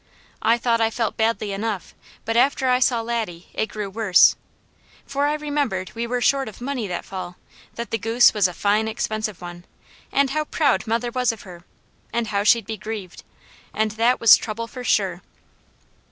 I thought I felt badly enough, but after I saw Laddie, it grew worse, for I remembered we were short of money that fall, that the goose was a fine, expensive one, and how proud mother was of her, and how she'd be grieved, and that was trouble for sure.